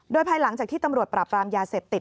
โดยภายหลังจากที่ตำรวจปราบรามยาเสพติด